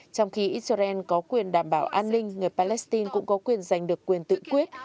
trong khi israel có quyền đảm bảo an ninh người palestine cũng có quyền giành được quyền tự quyết